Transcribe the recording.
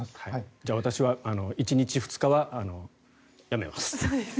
じゃあ私は１日、２日はやめます。